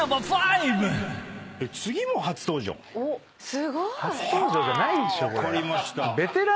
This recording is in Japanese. すごい！初登場じゃないでしょこれ。